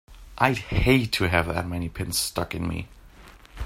I'd hate to have that many pins stuck in me!